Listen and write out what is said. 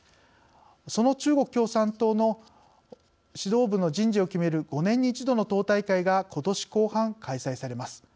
その中国共産党の指導部の人事を決める、５年に１度の党大会がことし後半、開催されます。